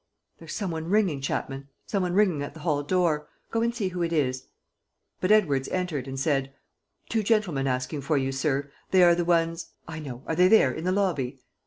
"There's some one ringing, Chapman, some one ringing at the hall door. Go and see who it is." But Edwards entered and said: "Two gentlemen asking for you, sir. They are the ones. ..." "I know. Are they there, in the lobby?"